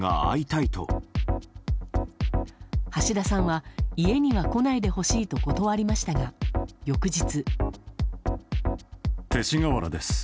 橋田さんは家には来ないでほしいと断りましたが翌日。